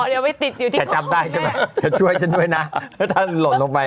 เดี๋ยวไปติดอยู่ที่แต่จำได้ใช่ไหมจะช่วยฉันด้วยนะแล้วถ้าหล่นลงไป